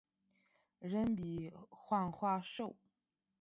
人比黄花瘦